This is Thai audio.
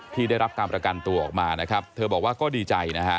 ที่ได้รับการประกันตัวออกมาเธอบอกว่าก็ดีใจ